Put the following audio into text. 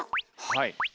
はい。